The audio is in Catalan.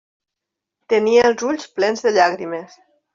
Tenia els ulls plens de llàgrimes.